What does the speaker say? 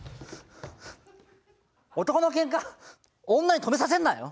男のけんか女に止めさせんなよ。